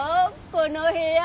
この部屋。